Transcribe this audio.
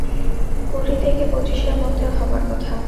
কুড়ি থেকে পঁচিশের মধ্যে হবার কথা।